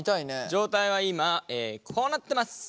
状態は今こうなってます。